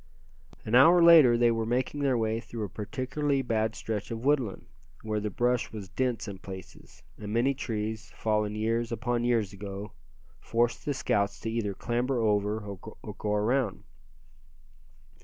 An hour later they were making their way through a particularly bad stretch of woodland, where the brush was dense in places, and many trees, fallen years upon years ago, forced the scouts to either clamber over, or go around.